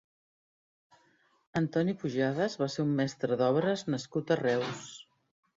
Antoni Pujades va ser un mestre d'obres nascut a Reus.